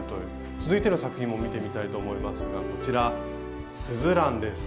続いての作品も見てみたいと思いますがこちら「すずらん」です。